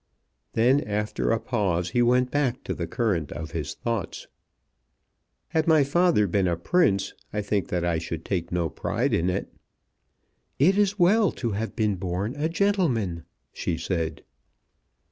Then after a pause he went back to the current of his thoughts. "Had my father been a prince I think that I should take no pride in it." "It is well to have been born a gentleman," she said.